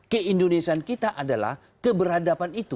keindonesian kita adalah keberadaan kita